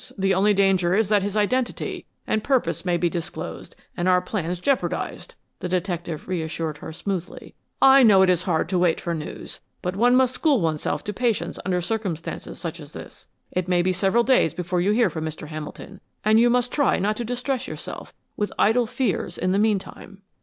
The only danger is that his identity and purpose may be disclosed and our plans jeopardized," the detective reassured her smoothly. "I know it is hard to wait for news, but one must school oneself to patience under circumstances such as this. It may be several days before you hear from Mr. Hamilton and you must try not to distress yourself with idle fears in the meantime."